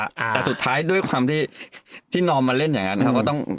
แต่สุดท้ายด้วยความที่นอนมาเล่นอย่างนั้น